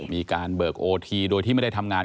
มีการเบิกโอทีโดยที่ไม่ได้ทำงาน